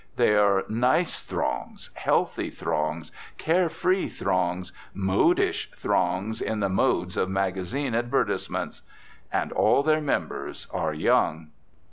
They are nice throngs, healthy throngs, care free throngs, modish throngs in the modes of magazine advertisements. And all their members are young.